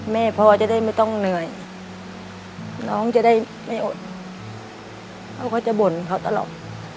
พ่อจะได้ไม่ต้องเหนื่อยน้องจะได้ไม่อดเขาก็จะบ่นเขาตลอด